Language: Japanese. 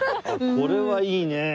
これはいいねえ。